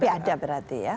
tapi ada berarti ya